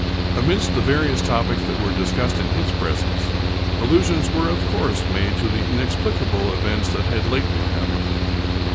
Amidst the various topics that were discussed in his pres ence, allusions were, of course, made to the inexplicable events that had lately happened.